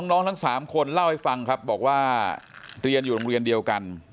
ทั้ง๓คนเล่าให้ฟังครับบอกว่าเรียนอยู่โรงเรียนเดียวกัน